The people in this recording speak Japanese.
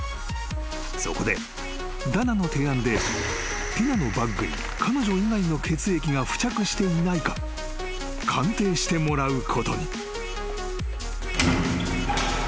［そこでダナの提案でティナのバッグに彼女以外の血液が付着していないか鑑定してもらうことに］